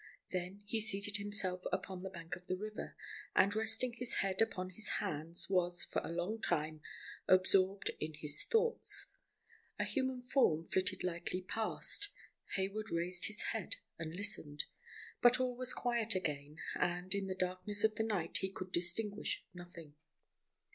Then he seated himself upon the bank of the river, and, resting his head upon his hands, was, for a long time, absorbed in his thoughts. A human form flitted lightly past. Hayward raised his head and listened, but all was quiet again, and, in the darkness of the night he could distinguish nothing.